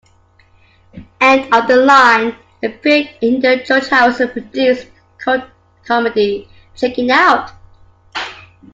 "End of the Line" appeared in the George Harrison-produced cult comedy, "Checking Out".